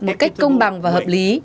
một cách công bằng và hợp lý